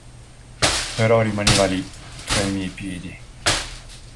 Però rimaneva li, tra i miei piedi.